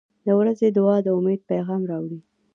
• د ورځې دعا د امید پیغام راوړي.